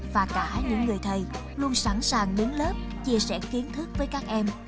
và cả những người thầy luôn sẵn sàng đến lớp chia sẻ kiến thức với các em